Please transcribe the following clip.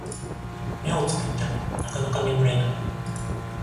目をつぶってもなかなか眠れない